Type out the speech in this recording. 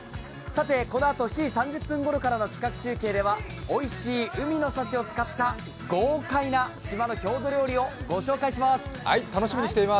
さてこのあと７時３０分頃からの企画中継ではおいしい海の幸を使った豪快な島の郷土料理をご紹介します。